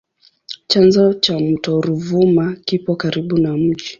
Chanzo cha mto Ruvuma kipo karibu na mji.